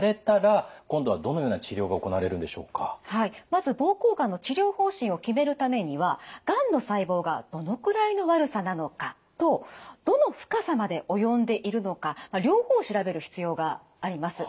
まず膀胱がんの治療方針を決めるためにはがんの細胞がどのくらいの悪さなのかとどの深さまで及んでいるのか両方を調べる必要があります。